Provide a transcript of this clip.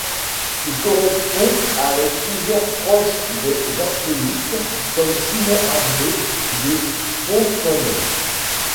Il correspond avec plusieurs proches des jansénistes, comme Simon Arnauld de Pomponne.